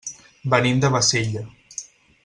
Venim de Bassella.